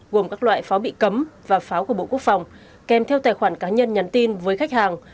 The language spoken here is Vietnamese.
gồm các loại pháo bị cấm và pháo của bộ quốc phòng kèm theo tài khoản cá nhân nhắn tin với khách hàng